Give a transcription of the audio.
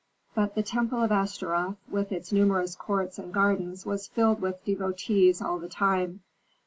But the temple of Astaroth with its numerous courts and gardens was filled with devotees all the time.